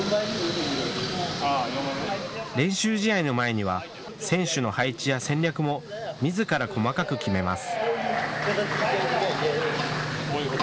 練習試合の前には選手の配置や戦略もみずから細かく決めます。